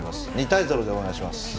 ２対０でお願いします！